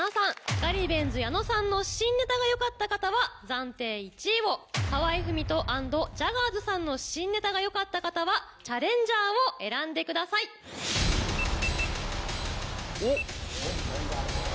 ガリベンズ矢野さんの新ネタがよかった方は暫定１位を河合郁人＆ジャガーズさんの新ネタがよかった方はチャレンジャーを選んでください。・おっ！